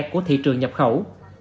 của thị trường nhập khẩu